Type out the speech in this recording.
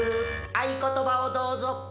合言葉をどうぞ」